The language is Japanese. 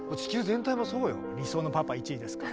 理想のパパ１位ですから。